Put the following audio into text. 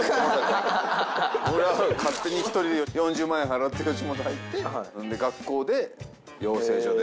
俺は勝手に１人で４０万円払って吉本入ってで学校で養成所で。